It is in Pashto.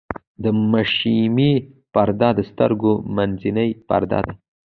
د مشیمیې پرده د سترګې منځنۍ پرده ده.